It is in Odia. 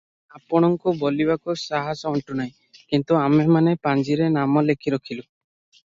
ଆପଣଙ୍କୁ ବୋଲିବାକୁ ସାହସ ଅଣ୍ଟୁନାହିଁ, କିନ୍ତୁ ଆମେମାନେ ପାଞ୍ଜିରେ ନାମ ଲେଖିରଖିଲୁ ।